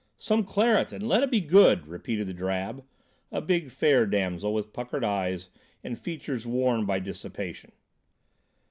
"Some claret, and let it be good," repeated the drab, a big, fair damsel with puckered eyes and features worn by dissipation.